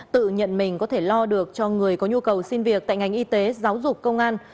tự nhận mình có thể lo được cho người có nhu cầu xin việc tại ngành y tế giáo dục công an